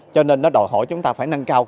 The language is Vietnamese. cho nên nó đòi hỏi chúng ta phải nâng cao